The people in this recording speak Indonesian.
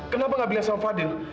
kenapa gak bilang sama fadil